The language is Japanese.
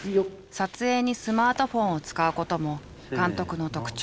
撮影にスマートフォンを使うことも監督の特徴。